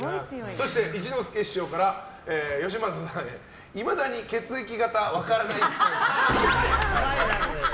そして一之輔師匠からよしまささんへいまだに血液型わからないっぽい。